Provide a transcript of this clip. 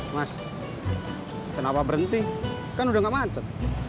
mas kenapa berhenti kan udah nggak manjat